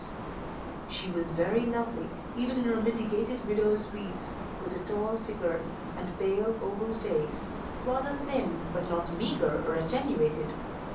She was very lovely, even in her mitigated widow's weeds, with a tall figure, and pale oval face, rather thin, but not meagre or attenuated.